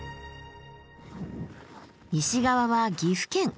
西側は岐阜県。